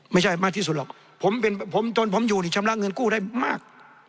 ไม่ใช่มากที่สุดหรอกผมเป็นผมจนผมอยู่นี่ชำระเงินกู้ได้มาก